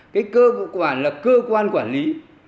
cái cơ quản là cơ quan quản lý